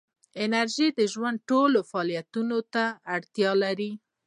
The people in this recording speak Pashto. انرژي د ژوند ټولو فعالیتونو ته اړتیا ده.